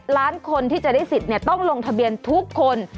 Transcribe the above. ล้านคนที่จะได้สิทธิ์ต้องลงทะเบียนทุกคน